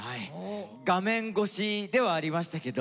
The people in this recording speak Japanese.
画面越しではありましたけど。